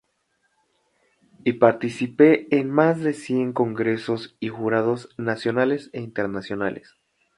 Y partícipe en más de cien congresos y jurados nacionales e internacionales.